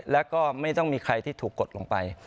แล้วก็ไม่ต้องมีใครที่ถูกกดลงไป